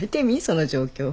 その状況。